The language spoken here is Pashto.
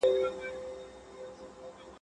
حاکم وویل عرضونه پر سلطان کړه.